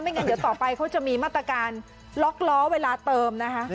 งั้นเดี๋ยวต่อไปเขาจะมีมาตรการล็อกล้อเวลาเติมนะคะ